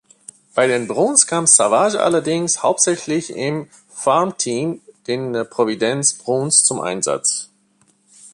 Bei den Bruins kam Savage allerdings hauptsächlich im Farmteam, den Providence Bruins, zum Einsatz.